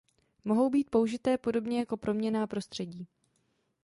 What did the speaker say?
Mohou být použité podobně jako proměnná prostředí.